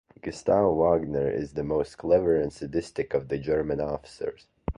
Gustav Wagner is the most clever and sadistic of the German officers.